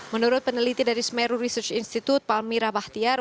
menurut peneliti dari smeru research institute palmira bahtiar